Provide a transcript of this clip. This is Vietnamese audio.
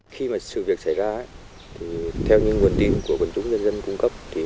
khi mà sự việc xảy ra theo những nguồn tin của quân chúng nhân dân cung cấp